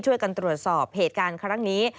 ช่วยกันตรวจสอบเหตุการณ์ครั้งนี้